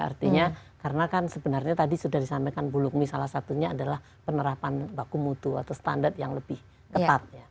artinya karena kan sebenarnya tadi sudah disampaikan bu lukmi salah satunya adalah penerapan baku mutu atau standar yang lebih ketat